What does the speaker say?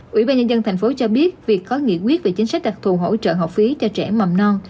quỹ ban nhân dân tp hcm cho biết việc có nghị quyết về chính sách đặc thù hỗ trợ học phí cho trẻ mầm non